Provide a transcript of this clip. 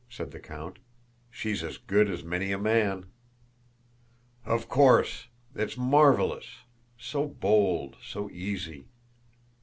said the count. "She's as good as many a man!" "Of course! It's marvelous. So bold, so easy!"